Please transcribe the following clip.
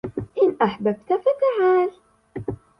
إن أحببت ، فتعال!